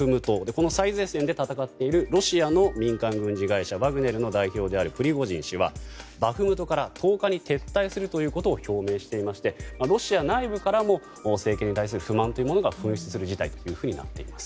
この最前線で戦っているロシアの民間軍事会社ワグネルの代表であるプリゴジン氏はバフムトから１０日に撤退するということを表明していましてロシア内部からも政権に対する不満というものが噴出する事態となっています。